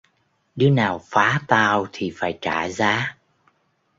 đứa nào phá tao thì phải trả giá